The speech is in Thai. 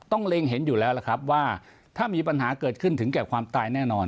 เล็งเห็นอยู่แล้วล่ะครับว่าถ้ามีปัญหาเกิดขึ้นถึงแก่ความตายแน่นอน